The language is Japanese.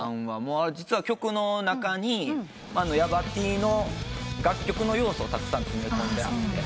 実は曲の中にヤバＴの楽曲の要素をたくさん詰め込んであって。